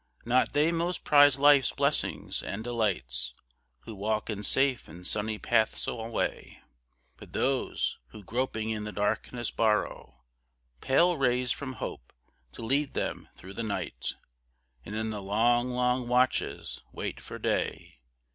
Not they most prize life's blessings, and delights, Who walk in safe and sunny paths alway. But those, who, groping in the darkness, borrow Pale rays from hope, to lead them through the night, And in the long, long watches wait for day.